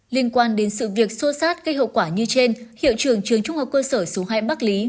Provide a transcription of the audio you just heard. liên quan đến sự việc xô xát gây hậu quả như trên hiệu trường trường trung học cơ sở số hai bắc lý